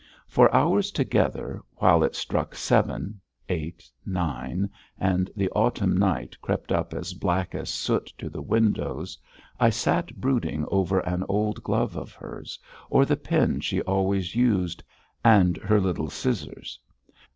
For hours together, while it struck seven, eight, nine, and the autumn night crept up as black as soot to the windows, I sat brooding over an old glove of hers, or the pen she always used, and her little scissors.